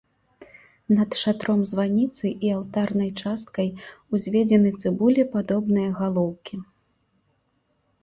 Над шатром званіцы і алтарнай часткай узведзены цыбулепадобныя галоўкі.